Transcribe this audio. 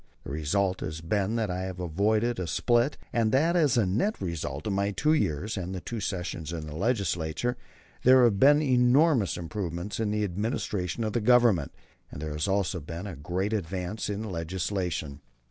The result has been that I have avoided a split and that as a net result of my two years and the two sessions of the Legislature, there has been an enormous improvement in the administration of the Government, and there has also been a great advance in legislation."